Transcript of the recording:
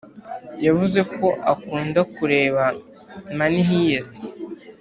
yavuze ko akunda kureba money heist